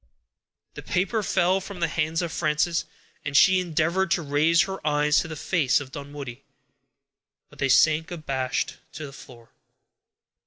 _ The paper fell from the hands of Frances, and she endeavored to raise her eyes to the face of Dunwoodie, but they sank abashed to the floor.